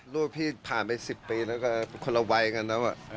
พี่ผ่านไป๑๐ปีแล้วก็คนละวัยกันแล้ว